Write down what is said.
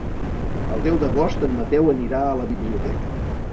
El deu d'agost en Mateu anirà a la biblioteca.